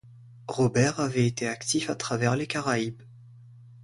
Roberts avait été actif à travers les Caraïbes.